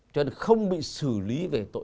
cho nên không bị xử lý